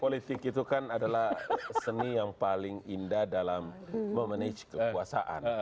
politik itu kan adalah seni yang paling indah dalam memanage kekuasaan